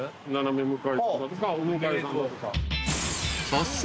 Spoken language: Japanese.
［早速］